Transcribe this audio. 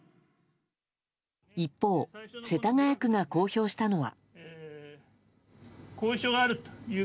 一方、世田谷区が公表したのは。